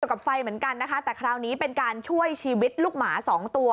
กับไฟเหมือนกันนะคะแต่คราวนี้เป็นการช่วยชีวิตลูกหมาสองตัว